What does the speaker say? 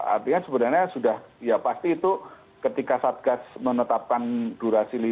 artinya sebenarnya sudah ya pasti itu ketika satgas menetapkan durasi lima tahun